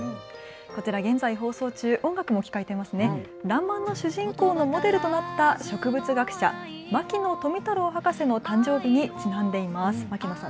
こちら現在放送中、らんまんの主人公のモデルとなった植物学者、牧野富太郎博士の誕生日にちなんでいます。